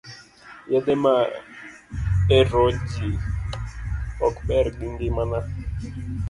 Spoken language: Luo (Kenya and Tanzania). Yedhe maeroji ok ber gi ngimana.